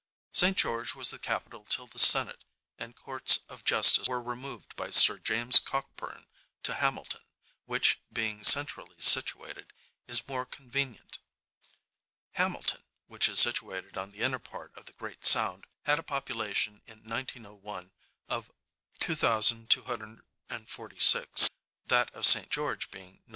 St George was the capital till the senate and courts of justice were removed by Sir James Cockburn to Hamilton, which being centrally situated, is more convenient. Hamilton, which is situated on the inner part of the Great Sound, had a population in 1901 of 2246, that of St George being 985.